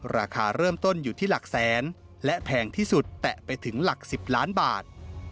ราคาเริ่มต้นอยู่ที่หลักแสนและแพงที่สุดแตะไปถึงหลัก๑๐ล้านบาท